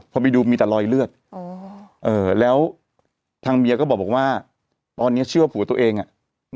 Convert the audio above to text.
พอไปดูมีแต่รอยเลือดแล้วทางเมียก็บอกว่าตอนนี้เชื่อผัวตัวเองอ่ะ